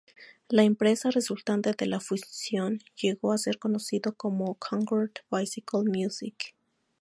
La empresa resultante de la fusión llegó a ser conocido como Concord Bicycle Music.